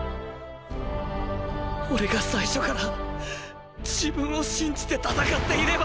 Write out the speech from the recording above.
オレが最初から自分を信じて戦っていれば。